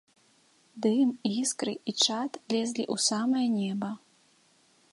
Дым, іскры і чад лезлі ў самае неба.